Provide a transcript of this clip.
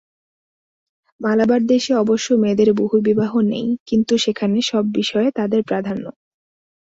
মালাবার দেশে অবশ্য মেয়েদের বহুবিবাহ নেই, কিন্তু সেখানে সব বিষয়ে তাদের প্রাধান্য।